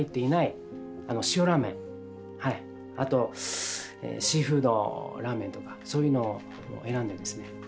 あとシーフードラーメンとかそういうのを選んでですね